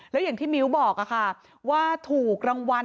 แล้วอย่างที่มิ้วบอกค่ะว่าถูกรางวัล